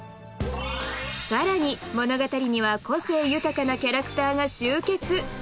更に物語には個性豊かなキャラクターが集結